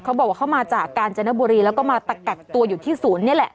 เขาบอกว่าเขามาจากกาญจนบุรีแล้วก็มาตะกักตัวอยู่ที่ศูนย์นี่แหละ